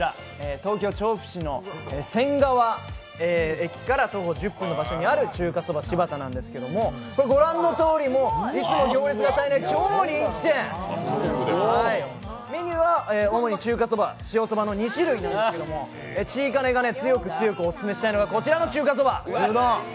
東京・調布市の仙川駅から徒歩１０分のところにある中華そばしば田なんですけども、ご覧のとおり、いつも行列が絶えない超人気店、メニューは主に中華そば塩そばの２種類なんですけど、ちーかねが強く強くオススメしたいのがこちらの中華そば！